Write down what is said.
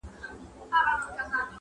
سپینه ږیره سپین غاښونه مسېدلی؛